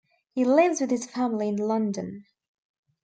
He lives with his family in London.